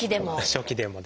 初期でも？